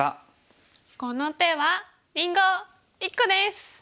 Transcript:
この手はりんご１個です！